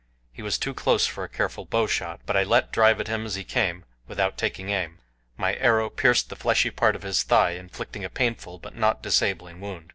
He was too close for a careful bowshot, but I let drive at him as he came, without taking aim. My arrow pierced the fleshy part of his thigh, inflicting a painful but not disabling wound.